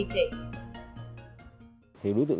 chỉ báo phương